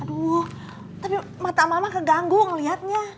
aduh tapi mata mama keganggu ngeliatnya